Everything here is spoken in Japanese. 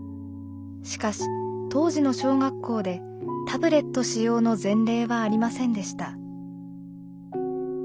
しかし当時の小学校でタブレット使用の前例はありませんでした。